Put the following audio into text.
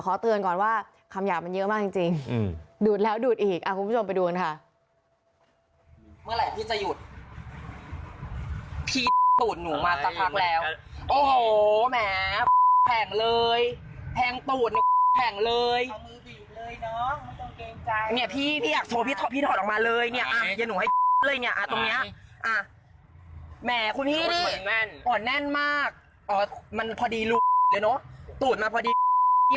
ก็ต้องขอดูเสียงออกเพราะว่ามันก็มีคำพูดที่